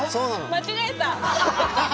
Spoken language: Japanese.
間違えた！